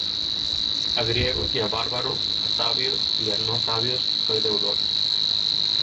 A Griegos y á bárbaros, á sabios y á no sabios soy deudor.